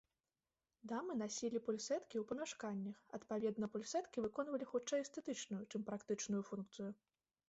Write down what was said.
Дамы насілі пульсэткі ў памяшканнях, адпаведна пульсэткі выконвалі хутчэй эстэтычную, чым практычную функцыю.